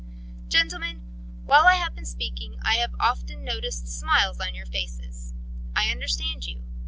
"Gentlemen! While I have been speaking I have often noticed smiles on your faces. I understand you.